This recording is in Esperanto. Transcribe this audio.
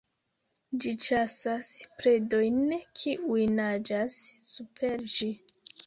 Ĝi ĉasas predojn, kiuj naĝas super ĝi.